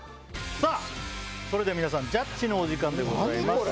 さぁそれでは皆さんジャッジのお時間でございます。